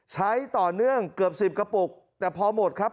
ใช้ต่อเนื่องเกือบสิบกระปุกแต่พอหมดครับ